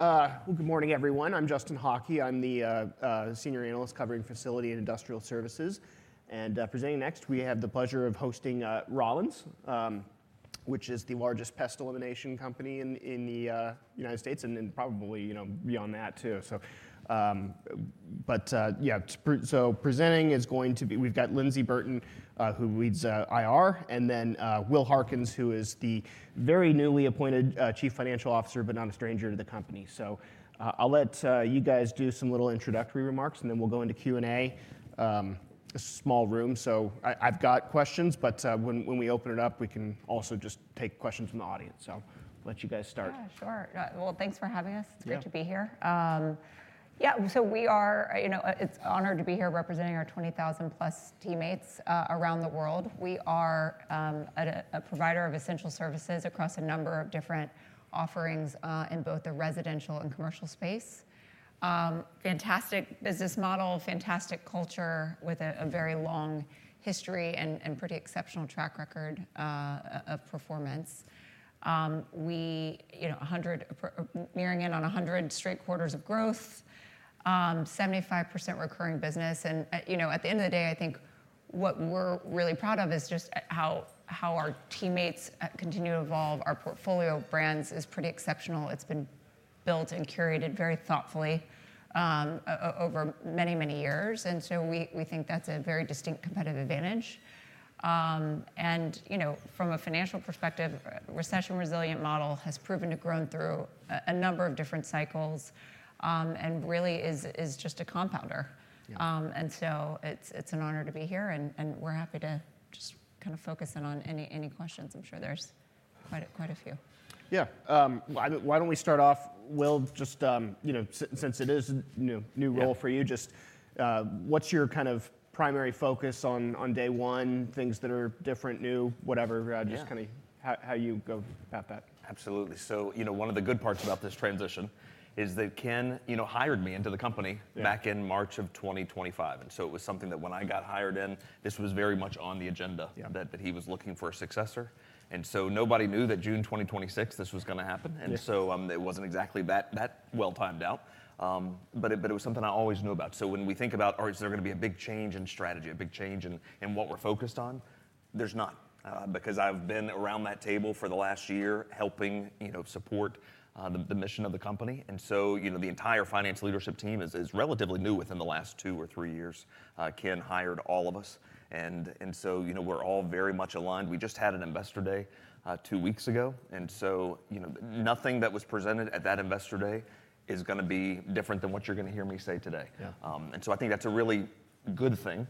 Good morning, everyone. I'm Justin Hauke. I'm the senior analyst covering facility and industrial services. Presenting next, we have the pleasure of hosting Rollins, which is the largest pest elimination company in the U.S. and probably beyond that too. We've got Lyndsey Burton, who leads IR, and Will Harkins, who is the very newly appointed chief financial officer, not a stranger to the company. I'll let you guys do some little introductory remarks, we'll go into Q&A. This is a small room, I've got questions, when we open it up, we can also just take questions from the audience. I'll let you guys start. Yeah, sure. Well, thanks for having us. Yeah. It's great to be here. Yeah. It's an honor to be here representing our 20,000+ teammates around the world. We are a provider of essential services across a number of different offerings in both the residential and commercial space. Fantastic business model, fantastic culture with a very long history and pretty exceptional track record of performance. Nearing in on 100 straight quarters of growth, 75% recurring business, and at the end of the day, I think what we're really proud of is just how our teammates continue to evolve our portfolio of brands is pretty exceptional. It's been built and curated very thoughtfully over many, many years. So we think that's a very distinct competitive advantage. From a financial perspective, recession-resilient model has proven to have grown through a number of different cycles, and really is just a compounder. Yeah. It's an honor to be here, and we're happy to just kind of focus in on any questions. I'm sure there's quite a few. Yeah. Why don't we start off, Will, since it is a new role for you. Yeah. Just what's your kind of primary focus on day one, things that are different, new? Yeah. Just kind of how you go about that. Absolutely. One of the good parts about this transition is that Ken hired me into the company. Yeah. Back in March of 2025. It was something that when I got hired in, this was very much on the agenda. Yeah. That he was looking for a successor, and so nobody knew that June 2026 this was going to happen. Yeah. It wasn't exactly that well timed out. It was something I always knew about. When we think about is there going to be a big change in strategy, a big change in what we're focused on, there's not. Because I've been around that table for the last year helping support the mission of the company. The entire finance leadership team is relatively new within the last two or three years. Ken hired all of us, we're all very much aligned. We just had an investor day two weeks ago, nothing that was presented at that investor day is going to be different than what you're going to hear me say today. Yeah. I think that's a really good thing.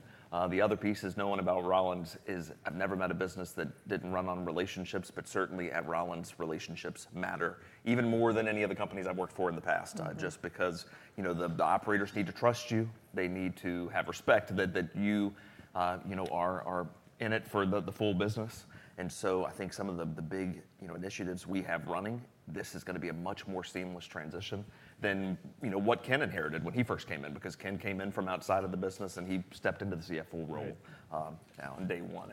The other piece is knowing about Rollins is I've never met a business that didn't run on relationships, but certainly at Rollins, relationships matter even more than any of the companies I've worked for in the past. Just because the operators need to trust you. They need to have respect that you are in it for the full business. I think some of the big initiatives we have running, this is going to be a much more seamless transition than what Ken inherited when he first came in. Because Ken came in from outside of the business, and he stepped into the CFO role. Right. On day one.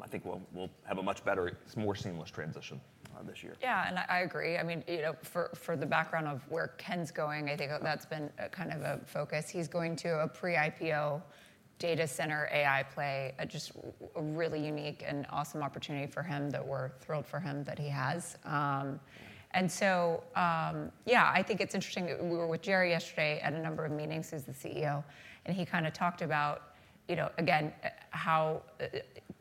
I think we'll have a much better, more seamless transition this year. I agree. For the background of where Ken's going, I think that's been a kind of a focus. He's going to a pre-IPO data center AI play, just a really unique and awesome opportunity for him that we're thrilled for him that he has. Yeah, I think it's interesting that we were with Jerry yesterday at a number of meetings, who's the CEO, and he kind of talked about, again, how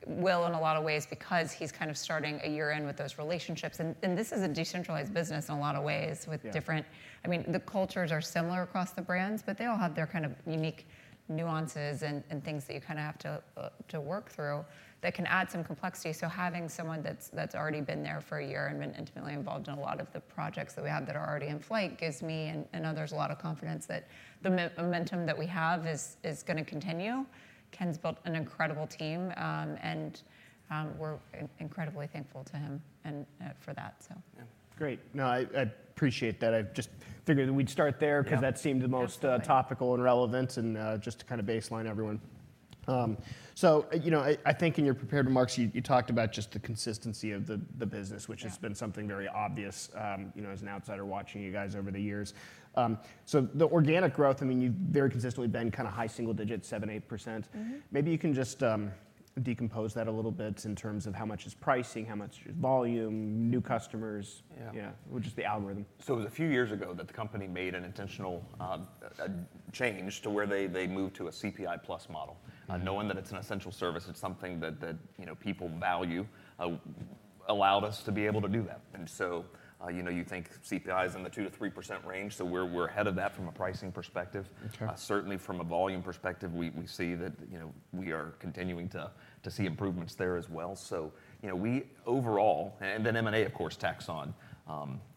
Will, in a lot of ways, because he's kind of starting a year in with those relationships, and this is a decentralized business in a lot of ways with. Yeah. I mean, the cultures are similar across the brands, but they all have their kind of unique nuances and things that you kind of have to work through that can add some complexity. Having someone that's already been there for a year and been intimately involved in a lot of the projects that we have that are already in flight gives me and others a lot of confidence that the momentum that we have is going to continue. Ken's built an incredible team, and we're incredibly thankful to him for that. Yeah. Great. No, I appreciate that. I just figured that we'd start there. Yeah. Because that seemed the most. Yeah, definitely. Topical and relevant, and just to kind of baseline everyone. I think in your prepared remarks, you talked about just the consistency of the business. Yeah. Which has been something very obvious as an outsider watching you guys over the years. The organic growth, you've very consistently been kind of high single digits, 7%-8%. Maybe you can just decompose that a little bit in terms of how much is pricing, how much is volume, new customers. Yeah. Yeah, which is the algorithm. It was a few years ago that the company made an intentional change to where they moved to a CPI plus model. Knowing that it's an essential service, it's something that people value, allowed us to be able to do that. You think CPI's in the 2%-3% range, so we're ahead of that from a pricing perspective. Sure. Certainly, from a volume perspective, we see that we are continuing to see improvements there as well. Overall, M&A, of course, tacks on.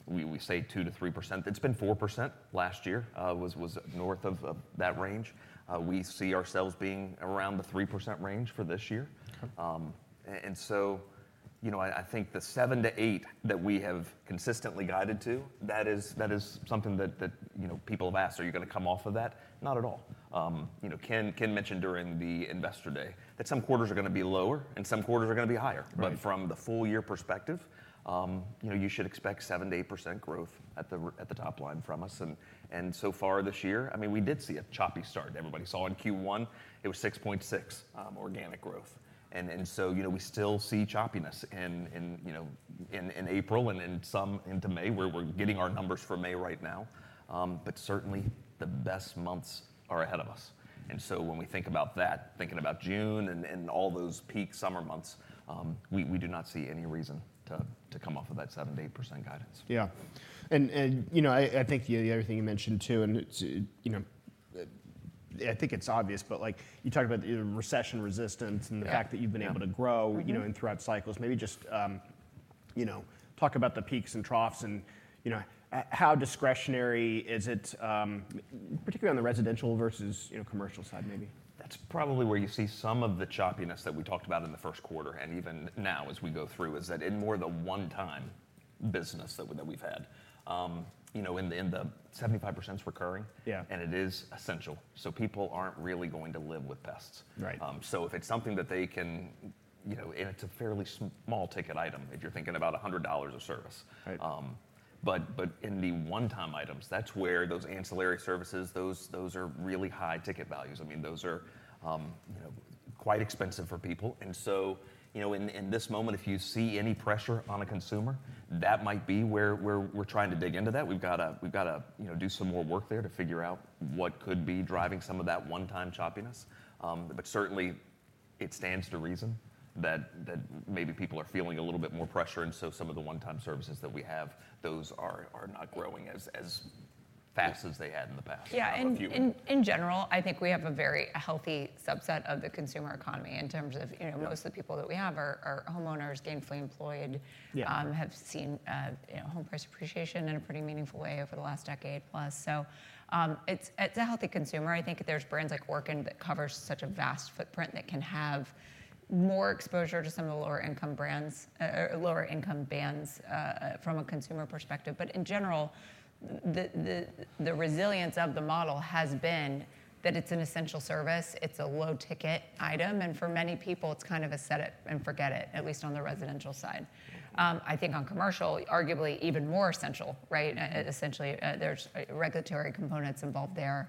We say 2%-3%. It's been 4% last year. Was north of that range. We see ourselves being around the 3% range for this year. Okay. I think the 7%-8% that we have consistently guided to, that is something that people have asked, "Are you going to come off of that?" Not at all. Ken mentioned during the investor day that some quarters are going to be lower and some quarters are going to be higher. Right. From the full year perspective, you should expect 7%-8% growth at the top line from us. So far this year, we did see a choppy start. Everybody saw in Q1 it was 6.6% organic growth. So we still see choppiness in April and some into May. We're getting our numbers for May right now. Certainly, the best months are ahead of us. So when we think about that, thinking about June and all those peak summer months, we do not see any reason to come off of that 7%-8% guidance. Yeah. I think everything you mentioned, too, I think it's obvious, but you talked about the recession resistance. Yeah. The fact that you've been able to. Throughout cycles. Maybe just talk about the peaks and troughs and how discretionary is it, particularly on the residential versus commercial side, maybe. That's probably where you see some of the choppiness that we talked about in the first quarter, and even now as we go through, is that in more the one-time business that we've had. The 75%'s recurring. Yeah. It is essential, so people aren't really going to live with pests. Right. It's a fairly small-ticket item if you're thinking about $100 a service. Right. In the one-time items, that's where those ancillary services, those are really high-ticket values. Those are quite expensive for people. In this moment, if you see any pressure on a consumer, that might be where we're trying to dig into that. We've got to do some more work there to figure out what could be driving some of that one-time choppiness. Certainly, it stands to reason that maybe people are feeling a little bit more pressure, and so some of the one-time services that we have, those are not growing as fast as they had in the past. Yeah. A few of them. In general, I think we have a very healthy subset of the consumer economy in terms of. Yeah. Most of the people that we have are homeowners, gainfully employed. Yeah. Have seen home price appreciation in a pretty meaningful way over the last decade plus. It's a healthy consumer. I think there's brands like Orkin that covers such a vast footprint that can have more exposure to some of the lower-income bands from a consumer perspective. In general, the resilience of the model has been that it's an essential service, it's a low-ticket item, and for many people, it's kind of a set it and forget it, at least on the residential side. I think on commercial, arguably even more essential, right? Essentially, there's regulatory components involved there.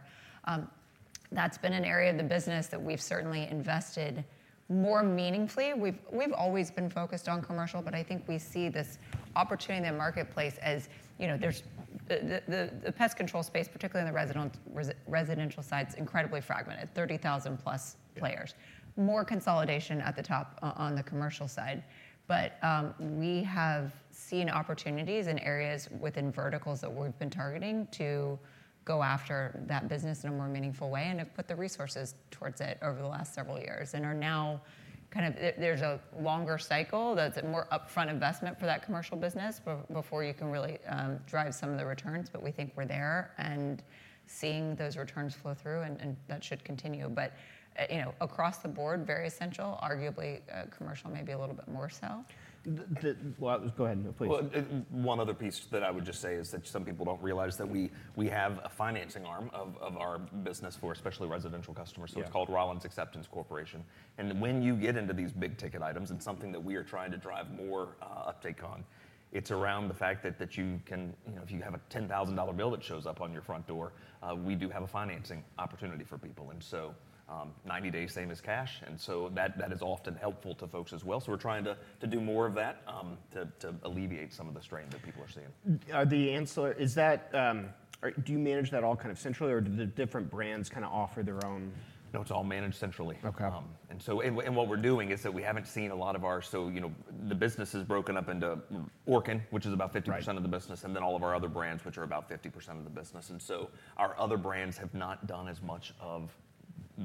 That's been an area of the business that we've certainly invested more meaningfully. We've always been focused on commercial, but I think we see this opportunity in the marketplace as the pest control space, particularly on the residential side, is incredibly fragmented. 30,000+ players. Yeah. More consolidation at the top on the commercial side. We have seen opportunities in areas within verticals that we've been targeting to go after that business in a more meaningful way and have put the resources towards it over the last several years. There's a longer cycle that's a more upfront investment for that commercial business before you can really drive some of the returns, but we think we're there. Seeing those returns flow through, and that should continue. Across the board, very essential. Arguably, commercial may be a little bit more so. Go ahead. No, please. One other piece that I would just say is that some people don't realize that we have a financing arm of our business for especially residential customers. Yeah. It's called Rollins Acceptance Company. When you get into these big-ticket items, it's something that we are trying to drive more uptake on. It's around the fact that if you have a $10,000 bill that shows up on your front door, we do have a financing opportunity for people, 90 days same as cash. That is often helpful to folks as well. We're trying to do more of that to alleviate some of the strain that people are seeing. Do you manage that all kind of centrally, or do the different brands offer their own? No, it's all managed centrally. Okay. What we're doing is that we haven't seen a lot of the business is broken up into Orkin, which is about 50%. Right. Of the business, and then all of our other brands, which are about 50% of the business. Our other brands have not done as much of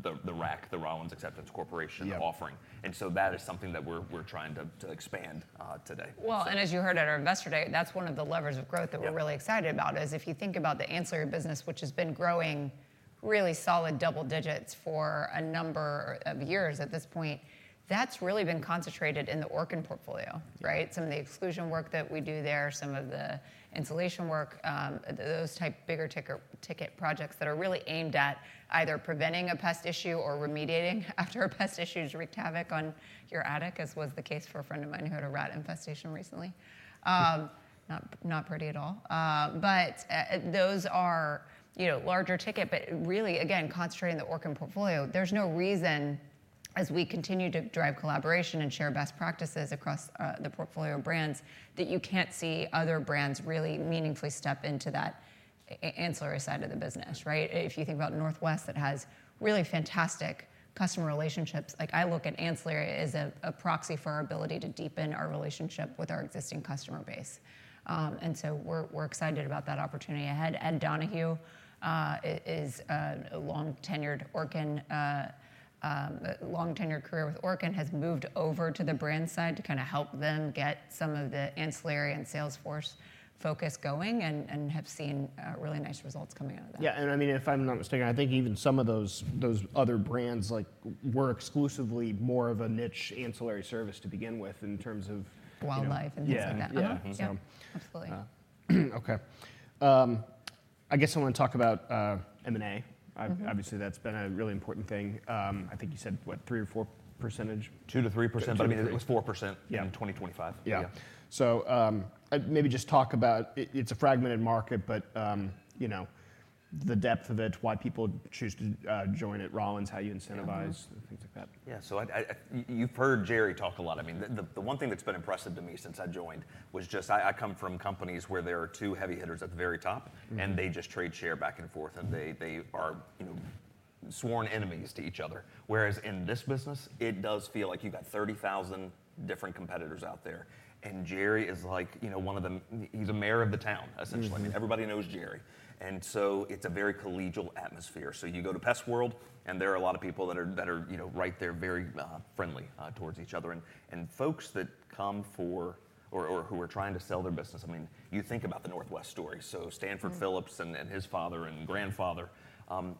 the RAC, the Rollins Acceptance Corporation. Yeah. Offering. That is something that we're trying to expand today. Well, as you heard at our investor day, that's one of the levers of growth. Yeah Really excited about is if you think about the ancillary business, which has been growing really solid double digits for a number of years at this point, that's really been concentrated in the Orkin portfolio, right? Some of the exclusion work that we do there, some of the installation work, those type bigger-ticket projects that are really aimed at either preventing a pest issue or remediating after a pest issue has wreaked havoc on your attic, as was the case for a friend of mine who had a rat infestation recently. Not pretty at all. Those are larger ticket, but really, again, concentrating the Orkin portfolio. There's no reason as we continue to drive collaboration and share best practices across the portfolio of brands, that you can't see other brands really meaningfully step into that ancillary side of the business, right? If you think about Northwest that has really fantastic customer relationships. I look at ancillary as a proxy for our ability to deepen our relationship with our existing customer base. We're excited about that opportunity ahead. Ed Donoghue, is a long tenured career with Orkin, has moved over to the brand side to kind of help them get some of the ancillary and sales force focus going and have seen really nice results coming out of that. Yeah. If I'm not mistaken, I think even some of those other brands were exclusively more of a niche ancillary service to begin with. Wildlife and things like that. Yeah. Yeah. Yeah. Absolutely. Okay. I guess I want to talk about M&A. Obviously, that's been a really important thing. I think you said, what, 3% or 4%? 2%-3%, but I think it was 4% in 2025. Yeah. Yeah. Maybe just talk about, it's a fragmented market, but the depth of it, why people choose to join at Rollins, how you incentivize. Yeah. Things like that. Yeah. You've heard Jerry talk a lot. The one thing that's been impressive to me since I joined was just, I come from companies where there are two heavy hitters at the very top, and they just trade share back and forth, and they are sworn enemies to each other. Whereas in this business, it does feel like you've got 30,000 different competitors out there, and Jerry is one of them. He's a mayor of the town, essentially. Everybody knows Jerry, and so it's a very collegial atmosphere. You go to PestWorld, and there are a lot of people that are right there, very friendly towards each other. Folks that come for or who are trying to sell their business, you think about the Northwest story. Stanford Phillips and his father and grandfather,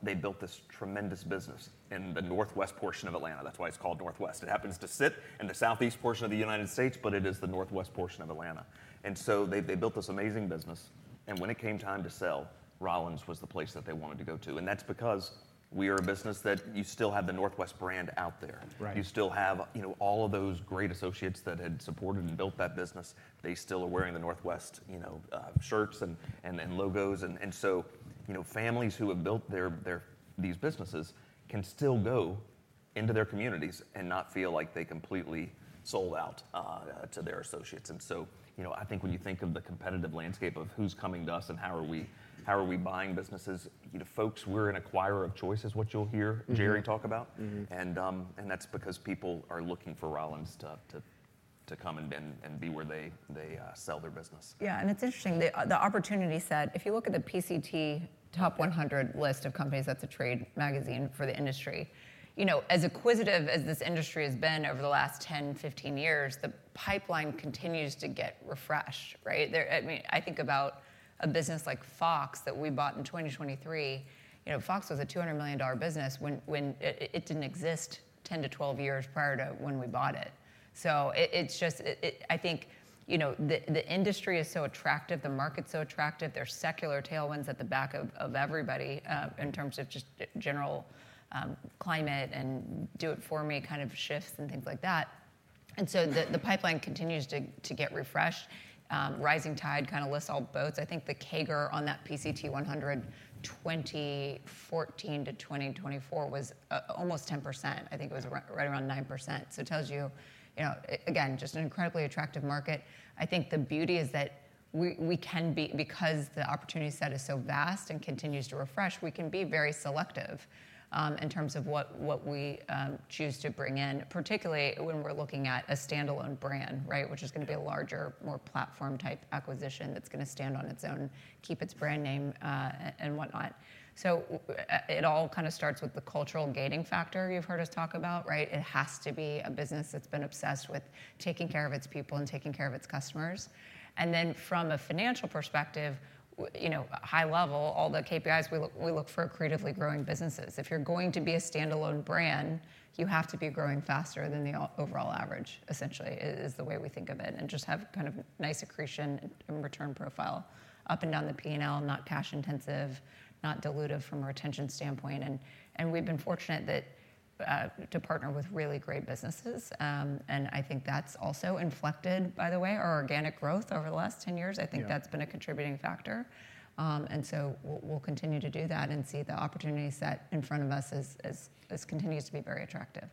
they built this tremendous business in the northwest portion of Atlanta. That's why it's called Northwest. It happens to sit in the southeast portion of the United States, but it is the northwest portion of Atlanta. They built this amazing business, and when it came time to sell, Rollins was the place that they wanted to go to. That's because we are a business that you still have the Northwest brand out there. Right. You still have all of those great associates that had supported and built that business. They still are wearing the Northwest shirts and logos. Families who have built these businesses can still go into their communities and not feel like they completely sold out to their associates. I think when you think of the competitive landscape of who's coming to us and how are we buying businesses, folks, we're an acquirer of choice is what you'll hear Jerry talk about. That's because people are looking for Rollins to come and be where they sell their business. It's interesting, the opportunity set, if you look at the PCT Top 100 list of companies, that's a trade magazine for the industry. As acquisitive as this industry has been over the last 10-15 years, the pipeline continues to get refreshed, right? I think about a business like Fox that we bought in 2023. Fox was a $200 million business when it didn't exist 10-12 years prior to when we bought it. The industry is so attractive, the market's so attractive, there's secular tailwinds at the back of everybody, in terms of general climate and do it for me kind of shifts and things like that. The pipeline continues to get refreshed. Rising tide kind of lifts all boats. I think the CAGR on that PCT 100 2014-2024 was almost 10%. I think it was right around 9%. It tells you, again, just an incredibly attractive market. I think the beauty is that because the opportunity set is so vast and continues to refresh, we can be very selective, in terms of what we choose to bring in, particularly when we're looking at a standalone brand, right? Which is going to be a larger, more platform-type acquisition that's going to stand on its own, keep its brand name, and whatnot. It all kind of starts with the cultural gating factor you've heard us talk about, right? It has to be a business that's been obsessed with taking care of its people and taking care of its customers. Then from a financial perspective, high level, all the KPIs, we look for accretively growing businesses. If you're going to be a standalone brand, you have to be growing faster than the overall average, essentially, is the way we think of it. Just have kind of nice accretion and return profile up and down the P&L, not cash intensive, not dilutive from a retention standpoint. We've been fortunate to partner with really great businesses. I think that's also inflected, by the way, our organic growth over the last 10 years. Yeah. I think that's been a contributing factor. We'll continue to do that and see the opportunity set in front of us as this continues to be very attractive.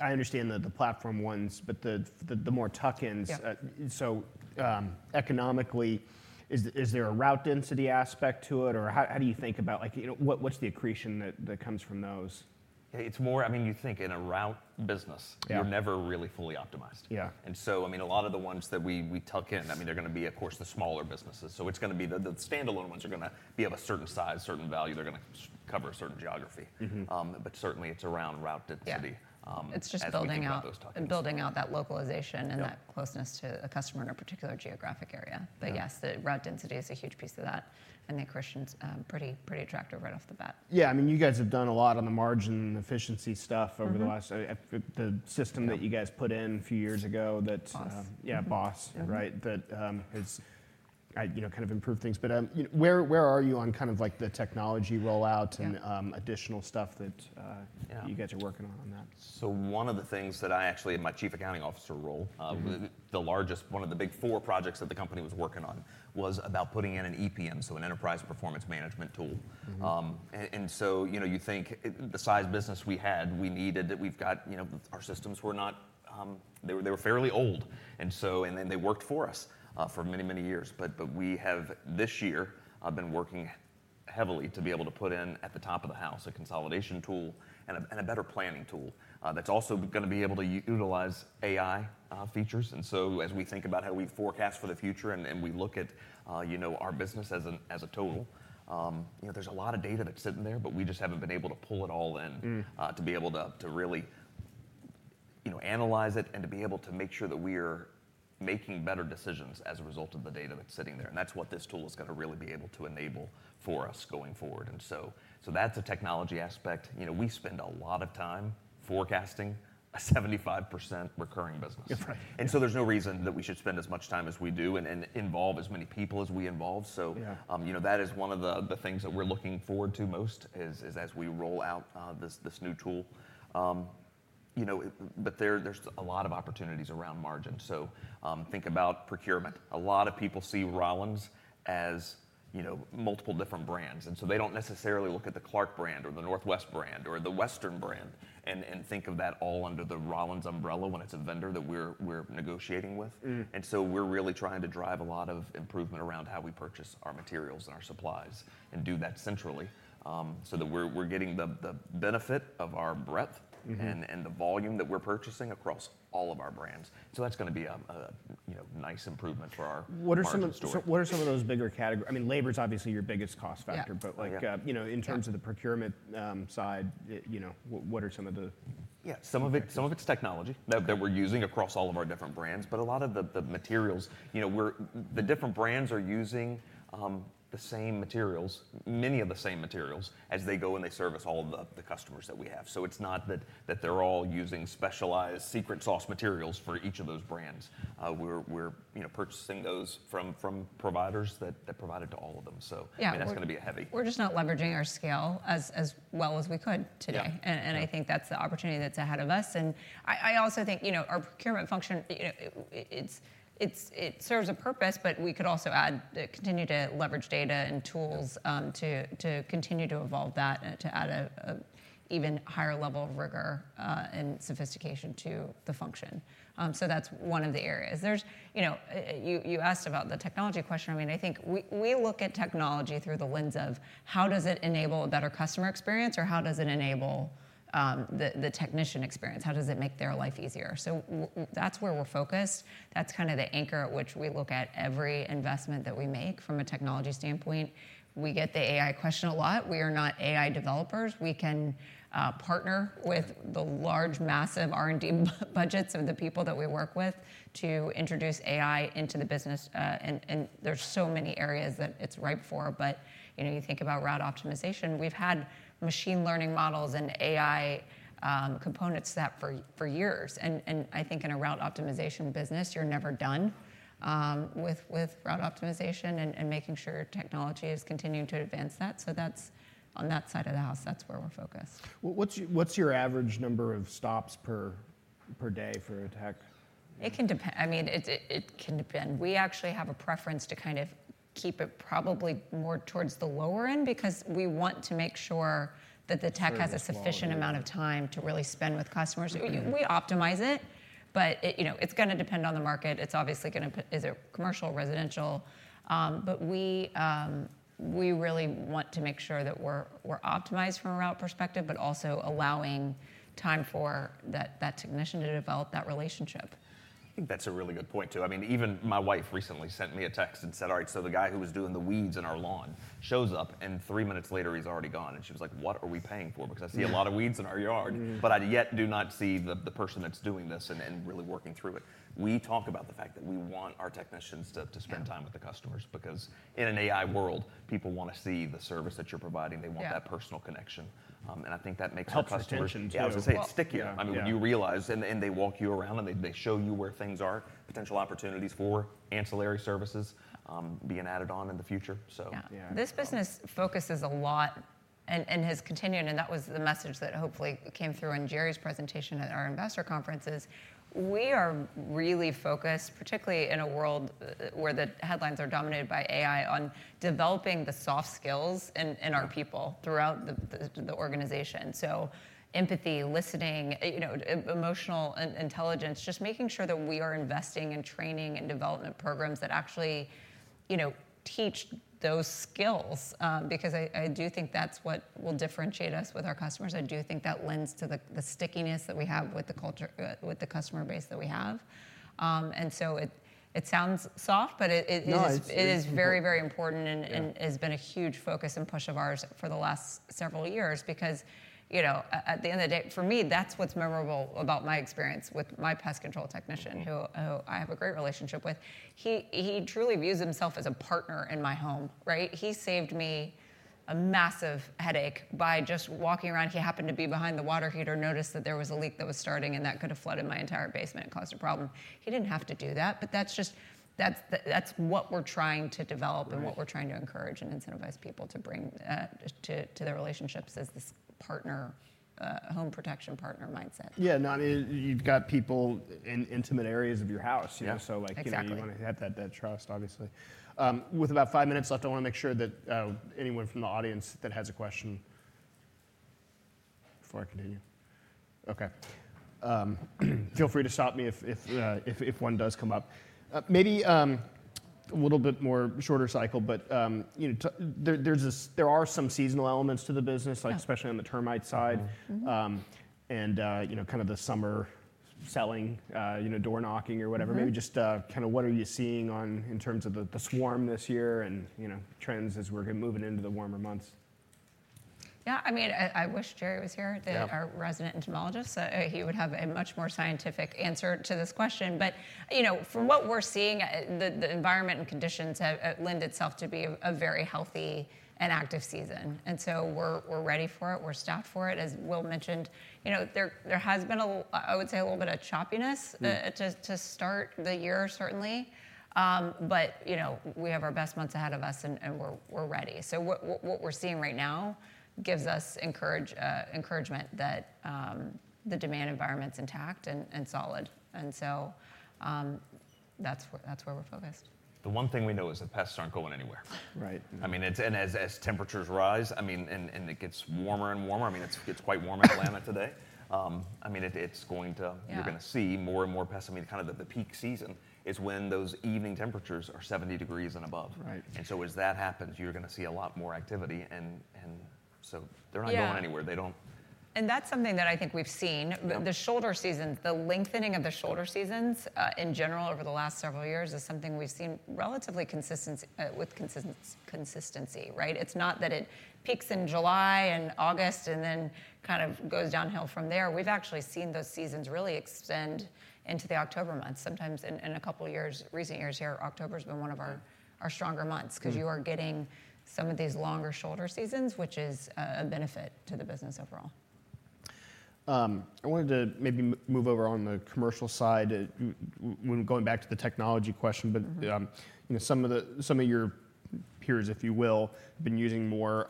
I understand that the platform ones, but the more tuck-ins. Yeah. Economically, is there a route density aspect to it? How do you think about What's the accretion that comes from those? It's more, you think in a route business. Yeah. You're never really fully optimized. Yeah. A lot of the ones that we tuck in, they're going to be, of course, the smaller businesses. It's going to be the standalone ones are going to be of a certain size, certain value. They're going to cover a certain geography. Certainly, it's around route density. Yeah. As we think about those tuck-ins. It's just building out that localization and that closeness to a customer in a particular geographic area. Yeah. Yes, the route density is a huge piece of that, and the accretion's pretty attractive right off the bat. Yeah. You guys have done a lot on the margin efficiency stuff over the last. The system that you guys put in a few years ago. BOSS. yeah, BOSS, right? That has kind of improved things. Where are you on the technology rollout and. Yeah. Additional stuff. Yeah. You guys are working on that? One of the things that I actually, in my Chief Accounting Officer role. One of the big four projects that the company was working on was about putting in an EPM, so an enterprise performance management tool. You think the size business we had, our systems were fairly old. They worked for us for many, many years. We have this year been working heavily to be able to put in at the top of the house a consolidation tool and a better planning tool that's also going to be able to utilize AI features. As we think about how we forecast for the future and we look at our business as a total, there's a lot of data that's sitting there, but we just haven't been able to pull it all in. To be able to really analyze it, to be able to make sure that we are making better decisions as a result of the data that's sitting there. That's what this tool is going to really be able to enable for us going forward. That's a technology aspect. We spend a lot of time forecasting a 75% recurring business. Right. Yeah. There's no reason that we should spend as much time as we do and involve as many people as we involve. Yeah. That is one of the things that we're looking forward to most, is as we roll out this new tool. There's a lot of opportunities around margin. Think about procurement. A lot of people see Rollins as multiple different brands, they don't necessarily look at the Clark brand or the Northwest brand or the Western brand and think of that all under the Rollins umbrella when it's a vendor that we're negotiating with. We're really trying to drive a lot of improvement around how we purchase our materials and our supplies and do that centrally, so that we're getting the benefit of our breadth. And the volume that we're purchasing across all of our brands. That's going to be a nice improvement for our margin story. What are some of those bigger categories? Labor's obviously your biggest cost factor. Yeah. But. Yeah In terms of the procurement side, what are some of the? Some of it's technology that we're using across all of our different brands, but a lot of the materials, the different brands are using the same materials, many of the same materials as they go, and they service all of the customers that we have. It's not that they're all using specialized secret sauce materials for each of those brands. We're purchasing those from providers that provide it to all of them. Yeah. That's going to be a heavy. We're just not leveraging our scale as well as we could today. Yeah. I think that's the opportunity that's ahead of us. I also think, our procurement function, it serves a purpose, but we could also continue to leverage data and tools to continue to evolve that, to add a even higher level of rigor, and sophistication to the function. That's one of the areas. You asked about the technology question. I think we look at technology through the lens of how does it enable a better customer experience, or how does it enable the technician experience? How does it make their life easier? That's where we're focused. That's kind of the anchor at which we look at every investment that we make from a technology standpoint. We get the AI question a lot. We are not AI developers. We can partner with the large, massive R&D budgets of the people that we work with to introduce AI into the business. There's so many areas that it's ripe for. You think about route optimization, we've had machine learning models and AI components set for years. I think in a route optimization business, you're never done with route optimization and making sure technology is continuing to advance that. On that side of the house, that's where we're focused. What's your average number of stops per day for a tech? It can depend. We actually have a preference to kind of keep it probably more towards the lower end because we want to make sure that the tech has a sufficient amount of time to really spend with customers. We optimize it, but it's going to depend on the market. Is it commercial, residential? We really want to make sure that we're optimized from a route perspective, but also allowing time for that technician to develop that relationship. I think that's a really good point, too. Even my wife recently sent me a text and said, "All right, so the guy who was doing the weeds in our lawn shows up, and three minutes later he's already gone." She was like, "What are we paying for? Because I see a lot of weeds in our yard. Yeah. I yet do not see the person that's doing this and really working through it. We talk about the fact that we want our technicians to spend time. Yeah. With the customers, because in an AI world, people want to see the service that you're providing. Yeah. They want that personal connection. I think that makes our customers. Helps retention as well. Yeah. I was going to say it's stickier. Yeah. When you realize, and they walk you around and they show you where things are, potential opportunities for ancillary services being added on in the future. Yeah. Yeah. This business focuses a lot, and has continued, and that was the message that hopefully came through in Jerry's presentation at our investor conference, is we are really focused, particularly in a world where the headlines are dominated by AI, on developing the soft skills in our people throughout the organization. Empathy, listening, emotional intelligence, just making sure that we are investing in training and development programs that actually teach those skills, because I do think that's what will differentiate us with our customers. I do think that lends to the stickiness that we have with the customer base that we have. It sounds soft, but it is. No, it's important. Very, very important and has been a huge focus and push of ours for the last several years. Because, at the end of the day, for me, that's what's memorable about my experience with my pest control technician, who I have a great relationship with. He truly views himself as a partner in my home. Right? He saved me a massive headache by just walking around. He happened to be behind the water heater, noticed that there was a leak that was starting, and that could've flooded my entire basement and caused a problem. He didn't have to do that, but that's what we're trying to develop. Right. What we're trying to encourage and incentivize people to bring to their relationships as this home protection partner mindset. Yeah, no, you've got people in intimate areas of your house. Yeah. So like. Exactly. You want to have that trust, obviously. With about five minutes left, I want to make sure that anyone from the audience that has a question before I continue. Okay. Feel free to stop me if one does come up. Maybe a little bit more shorter cycle, but there are some seasonal elements to the business. Yeah. Especially on the termite side. Kind of the summer selling, door knocking or whatever. Maybe just, what are you seeing on in terms of the swarm this year, and trends as we're moving into the warmer months? Yeah. I wish Jerry was here. Yeah. Our resident entomologist. He would have a much more scientific answer to this question. From what we're seeing, the environment and conditions lend itself to be a very healthy and active season. We're ready for it. We're staffed for it, as Will mentioned. There has been, I would say, a little bit of choppiness. To start the year, certainly. We have our best months ahead of us, and we're ready. What we're seeing right now gives us encouragement that the demand environment's intact and solid. That's where we're focused. The one thing we know is that pests aren't going anywhere. Right. As temperatures rise, and it gets warmer and warmer. It's quite warm in Atlanta today. It's going to. Yeah. You're going to see more and more pests. The peak season is when those evening temperatures are 70 degrees and above. Right. As that happens, you're going to see a lot more activity. Yeah. Going anywhere. That's something that I think we've seen. Yeah. The lengthening of the shoulder seasons, in general, over the last several years is something we've seen relatively with consistency. Right? It's not that it peaks in July and August, and then goes downhill from there. We've actually seen those seasons really extend into the October months. Sometimes in a couple recent years here, October's been one of our stronger months. Because you are getting some of these longer shoulder seasons, which is a benefit to the business overall. I wanted to maybe move over on the commercial side, going back to the technology question. Some of your peers, if you will, have been using more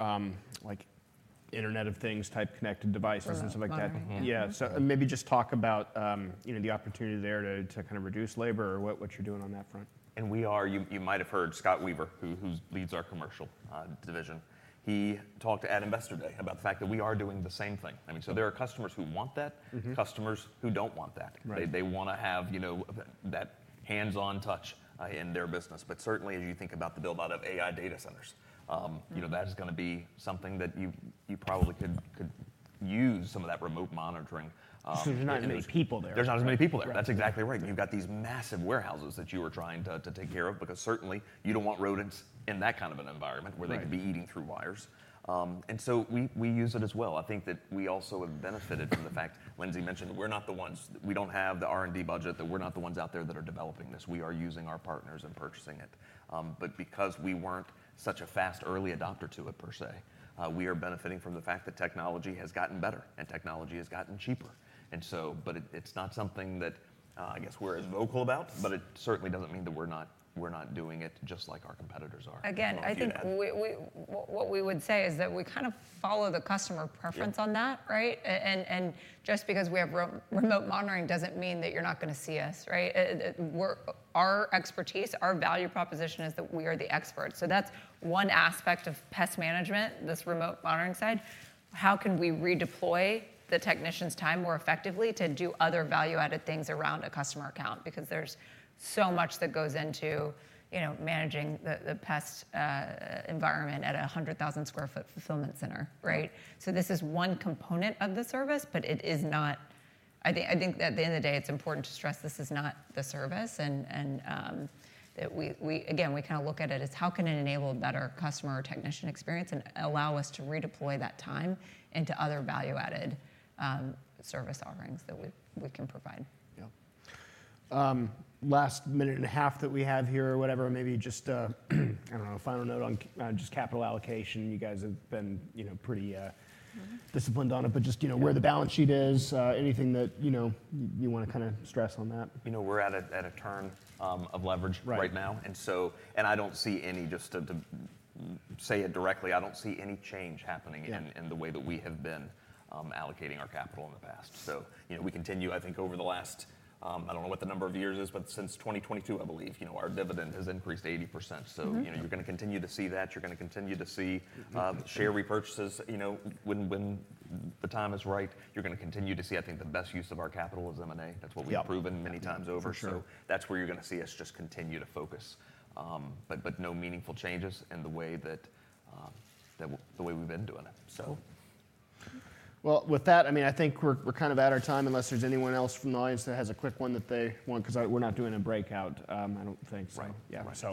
Internet of Things type connected devices and stuff like that. Remote monitoring. Yeah, maybe just talk about the opportunity there to reduce labor, or what you're doing on that front. We are. You might have heard Scott Weaver, who leads our commercial division. He talked at Investor Day about the fact that we are doing the same thing. There are customers who want that. Customers who don't want that. Right. They want to have that hands-on touch in their business. Certainly, as you think about the build-out of AI data centers, that is going to be something that you probably could use some of that remote monitoring in these. There's not as many people there. There's not as many people there. Right. That's exactly right. You've got these massive warehouses that you are trying to take care of, because certainly you don't want rodents in that kind of an environment. Right. Where they could be eating through wires. We use it as well. I think that we also have benefited from the fact Lyndsey mentioned we're not the ones. We don't have the R&D budget, that we're not the ones out there that are developing this. We are using our partners and purchasing it. Because we weren't such a fast, early adopter to it, per se, we are benefiting from the fact that technology has gotten better, and technology has gotten cheaper. It's not something that I guess we're as vocal about, but it certainly doesn't mean that we're not doing it just like our competitors are. Again, I think what we would say is that we kind of follow the customer preference on that. Yeah. Right? Just because we have remote monitoring doesn't mean that you're not going to see us. Right? Our expertise, our value proposition is that we are the experts. That's one aspect of pest management, this remote monitoring side. How can we redeploy the technician's time more effectively to do other value-added things around a customer account? There's so much that goes into managing the pest environment at a 100,000 sq ft fulfillment center. Right? This is one component of the service, but I think at the end of the day, it's important to stress this is not the service. That again, we look at it as how can it enable a better customer or technician experience and allow us to redeploy that time into other value-added service offerings that we can provide? Yeah. Last minute and a half that we have here or whatever, maybe just a, I don't know, final note on just capital allocation. You guys have been pretty. Disciplined on it, but. Yeah. Where the balance sheet is, anything that you want to stress on that? We're at a turn of leverage. Right. Right now. I don't see any, just to say it directly, I don't see any change happening. Yeah. In the way that we have been allocating our capital in the past. We continue, I think over the last, I don't know what the number of years is, but since 2022, I believe, our dividend has increased 80%. You're going to continue to see that. Share repurchases, when the time is right. You're going to continue to see, I think, the best use of our capital as M&A. Yeah. Proven many times over. For sure. That's where you're going to see us just continue to focus. No meaningful changes in the way we've been doing it. Cool. Well, with that, I think we're kind of at our time, unless there's anyone else from the audience that has a quick one that they want, because we're not doing a breakout, I don't think so. Right. Yeah.